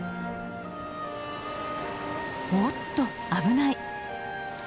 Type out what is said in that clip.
おおっと危ない。